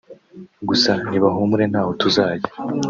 Gusa nibahumure ntaho tuzajya